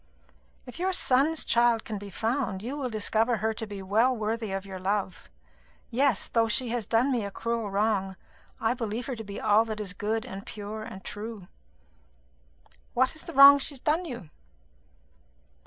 "If your son's child can be found, you will discover her to be well worthy of your love. Yes, though she has done me a cruel wrong, I believe her to be all that is good and pure and true." "What is the wrong that she has done you?"